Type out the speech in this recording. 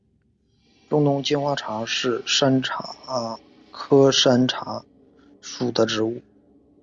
中东金花茶是山茶科山茶属的植物。